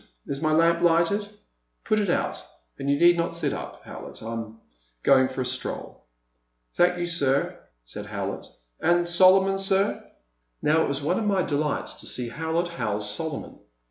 Is my lamp lighted ? Put it out — ^and you need not sit up, Howlett ; I 'm going for a stroll." Thank you sir," said Howlett,— and Solo mon, sir?" Now it was one of my delights to see Howlett house Solomon.